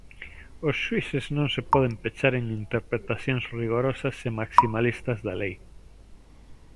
Os xuíces non se poden pechar en interpretacións rigorosas e maximalistas da lei.